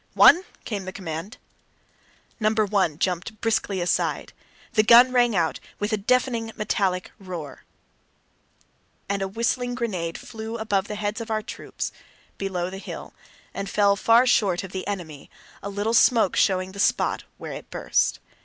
"One!" came the command. Number one jumped briskly aside. The gun rang out with a deafening metallic roar, and a whistling grenade flew above the heads of our troops below the hill and fell far short of the enemy, a little smoke showing the spot where it burst.